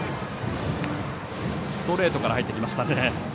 ストレートから入ってきましたね。